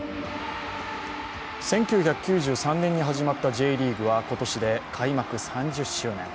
１９９３年に始まったＪリーグは今年で開幕３０周年。